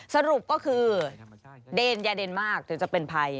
สรุปก็คือเดนยาเดนมากถึงจะเป็นภัย